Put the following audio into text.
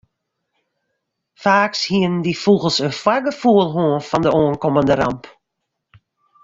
Faaks hiene dy fûgels in foargefoel hân fan de oankommende ramp.